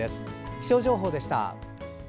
気象情報でした。